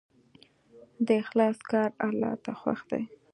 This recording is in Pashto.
د اخلاص کار الله ته خوښ دی.